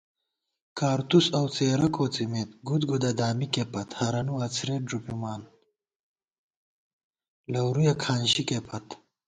کارتُس اؤ څېرہ کوڅِمېت، گُدگُدہ دامِکےپت * ہرَنُو اڅَھرېت ݫُپِمان لَورُیَہ کھانشِکےپت